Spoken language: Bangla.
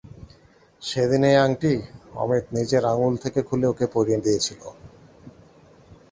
সেদিন এই আংটি অমিত নিজের আঙুল থেকে খুলে ওকে পরিয়ে দিয়েছিল।